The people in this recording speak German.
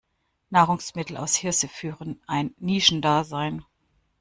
Nahrungsmittel aus Hirse führen ein Nischendasein.